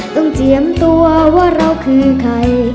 เจียมตัวว่าเราคือใคร